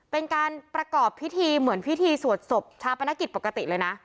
เป็นการประกอบพิธีเหมือนพิธีสวดศพชาปนกิจปกติเลยนะ